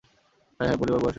হায়, হায়, মরিবার বয়স গিয়াছে!